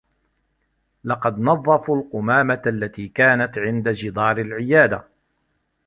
لقد نظّفوا القمامة التي كانت عند جدار العيادة.